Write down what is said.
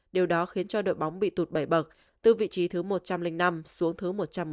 điều đó khiến cho đội bóng bị tụt bảy bậc từ vị trí thứ một trăm linh năm xuống thứ một trăm một mươi tám